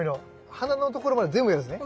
花の所まで全部やるんですね。